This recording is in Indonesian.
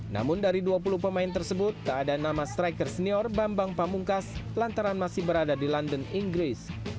namun dari dua puluh pemain tersebut tak ada nama striker senior bambang pamungkas lantaran masih berada di london inggris